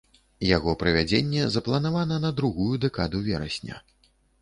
Яго правядзенне запланавана на другую дэкаду верасня.